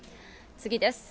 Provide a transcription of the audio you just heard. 次です。